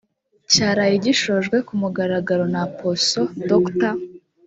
cyaraye gishojwe ku mugaragaro na Apostle Dr